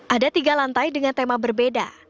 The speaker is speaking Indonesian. ada tiga lantai dengan tema berbeda